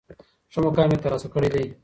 ښه مقام یې تر لاسه کړی دی.